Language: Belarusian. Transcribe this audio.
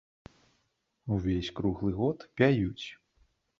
Увесь круглы год пяюць.